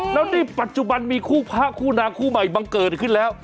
แล้วในปัจจุบันมีคู่พระคู่นาคู่ใหม่บังเกิดขึ้นแล้ว